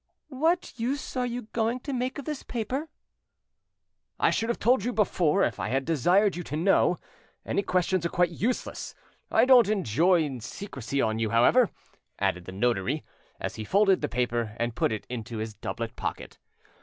"What use are you going to make of this paper?" "I should have told you before, if I had desired you to know. Any questions are quite useless. I don't enjoin secrecy on you, however," added the notary, as he folded the paper and put it into his doublet pocket.